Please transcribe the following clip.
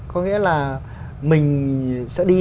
có nghĩa là mình sẽ đi